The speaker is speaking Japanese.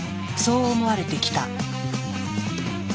そう思われてきた。